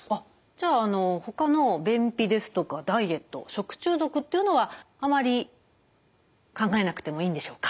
じゃあほかの便秘ですとかダイエット食中毒っていうのはあまり考えなくてもいいんでしょうか？